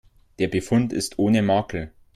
Der Befund ist ohne Makel.